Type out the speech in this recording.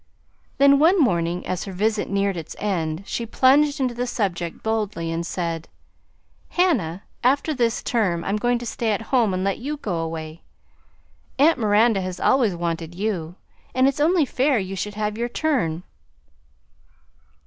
Then one morning as her visit neared its end she plunged into the subject boldly and said, "Hannah, after this term I'm going to stay at home and let you go away. Aunt Miranda has always wanted you, and it's only fair you should have your turn."